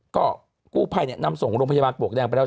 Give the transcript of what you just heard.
ก็กู้ภัยนำส่งโรงพยาบาลปลวกแดงไปแล้ว